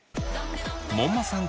門馬さん